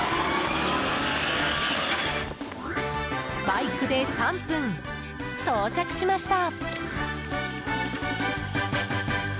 バイクで３分、到着しました。